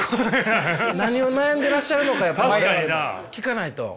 何を悩んでらっしゃるのかやっぱ我々も聞かないと。